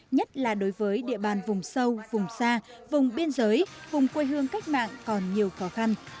nhất là đối với địa bàn vùng sâu vùng xa vùng biên giới vùng quê hương cách mạng còn nhiều khó khăn